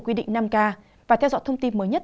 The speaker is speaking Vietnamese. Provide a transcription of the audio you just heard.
quy định năm k và theo dõi thông tin mới nhất